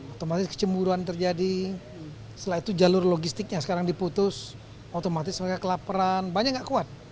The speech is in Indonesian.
otomatis kecemburuan terjadi setelah itu jalur logistiknya sekarang diputus otomatis mereka kelaperan banyak nggak kuat